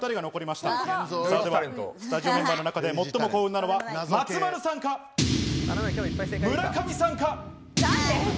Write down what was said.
スタジオメンバーの中で最も幸運なのは松丸さんか、村上さんか。